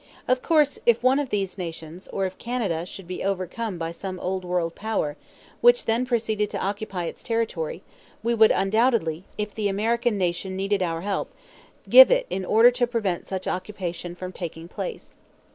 Of course if one of these nations, or if Canada, should be overcome by some Old World power, which then proceeded to occupy its territory, we would undoubtedly, if the American Nation needed our help, give it in order to prevent such occupation from taking place.